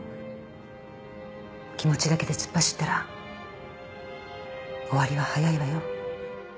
気持ちだけで突っ走ったら終わりは早いわよ。